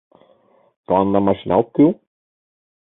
Тыланда машина ок кӱл?